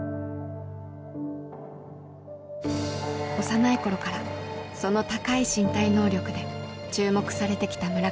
幼い頃からその高い身体能力で注目されてきた村上。